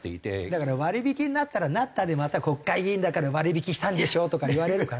だから割引になったらなったでまた「国会議員だから割引したんでしょ」とか言われるから。